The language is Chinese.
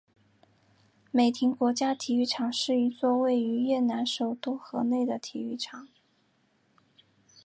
美亭国家体育场是一座位于越南首都河内的体育场。